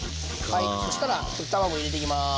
はいそしたら溶き卵入れていきます。